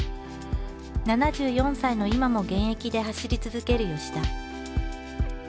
７４歳の今も現役で走り続ける田。